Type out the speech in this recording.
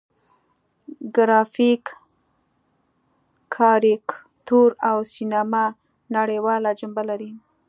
ګرافیک، کاریکاتور او سینما نړیواله جنبه لري.